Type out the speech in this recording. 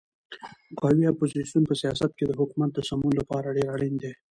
قوي اپوزیسیون په سیاست کې د حکومت د سمون لپاره ډېر اړین دی.